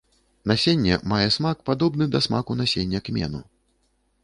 Насенне мае смак, падобны да смаку насення кмену.